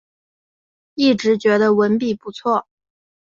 一直觉得文笔不错